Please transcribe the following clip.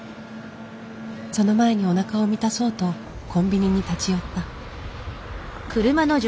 その前におなかを満たそうとコンビニに立ち寄った。